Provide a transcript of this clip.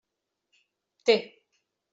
Té.